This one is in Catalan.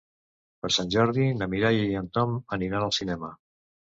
Per Sant Jordi na Mireia i en Tom aniran al cinema.